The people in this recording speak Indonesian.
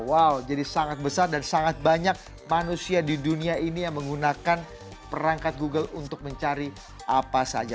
wow jadi sangat besar dan sangat banyak manusia di dunia ini yang menggunakan perangkat google untuk mencari apa saja